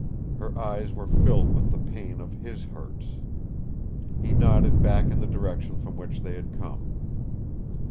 Her eyes were filled with the pain of his hurts. He nodded back in the direction from which they had come.